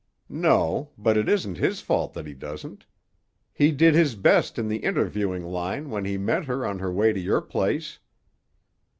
"No; but it isn't his fault that he doesn't. He did his best in the interviewing line when he met her on her way to your place."